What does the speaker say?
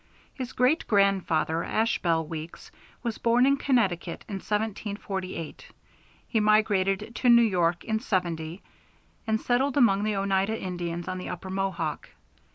His great grandfather, Ashbel Weeks, was born in Connecticut in 1748; he migrated to New York in '70, and settled among the Oneida Indians on the Upper Mohawk.